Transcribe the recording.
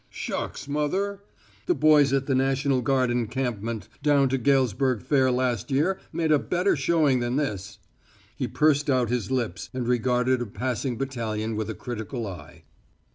"Shucks, mother! The boys at the national guard encampment down to Galesburg fair last year made a better showing than this." He pursed out his lips and regarded a passing battalion with a critical eye.